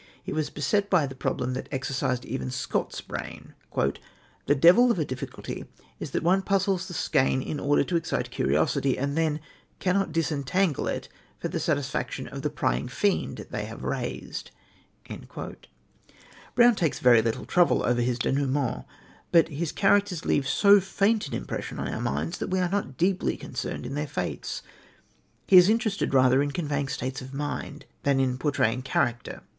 He was beset by the problem that exercised even Scott's brain: "The devil of a difficulty is that one puzzles the skein in order to excite curiosity, and then cannot disentangle it for the satisfaction of the prying fiend they have raised." Brown takes very little trouble over his dénouements, but his characters leave so faint an impression on our minds that we are not deeply concerned in their fates. He is interested rather in conveying states of mind than in portraying character.